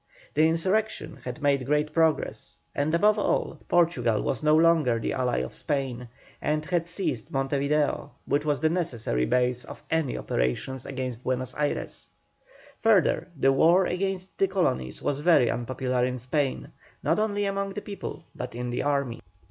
The insurrection had made great progress, and above all, Portugal was no longer the ally of Spain, and had seized Monte Video, which was the necessary base of any operations against Buenos Ayres. Further, the war against the colonies was very unpopular in Spain, not only among the people but in the army.